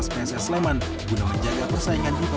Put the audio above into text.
semoga besok besok akan lebih kuat latihan